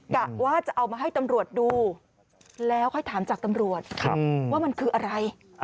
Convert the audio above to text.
กะว่าจะเอามาให้ตำรวจดูแล้วค่อยถามจากตำรวจว่ามันคืออะไร